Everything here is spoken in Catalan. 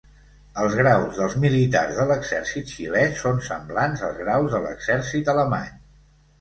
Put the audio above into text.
Els graus dels militars de l'Exèrcit xilè són semblants als graus de l'Exèrcit alemany.